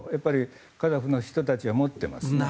カザフの人たちも持っています。